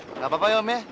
nggak apa apa ya om ya